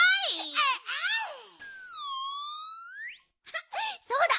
あっそうだ！